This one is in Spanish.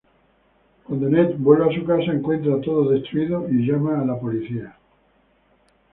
Cuando Ned vuelve a su casa, encuentra todo destruido y llama a la policía.